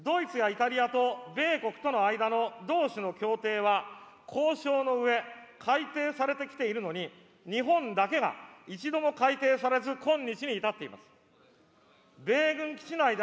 ドイツやイタリアと米国との間の同種の協定は、交渉の上、改定されてきているのに、日本だけが一度も改定されず、今日に至っています。